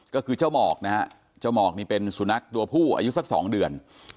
ก็คือเจ้าหมอกนะฮะเจ้าหมอกนี่เป็นสุนัขตัวผู้อายุสักสองเดือน